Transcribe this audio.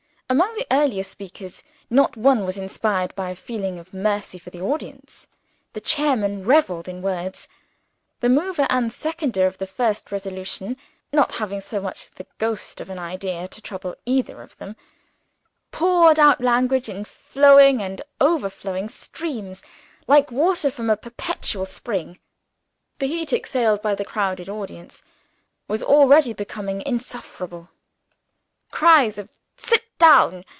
Among the earlier speakers not one was inspired by a feeling of mercy for the audience. The chairman reveled in words. The mover and seconder of the first Resolution (not having so much as the ghost of an idea to trouble either of them), poured out language in flowing and overflowing streams, like water from a perpetual spring. The heat exhaled by the crowded audience was already becoming insufferable. Cries of "Sit down!"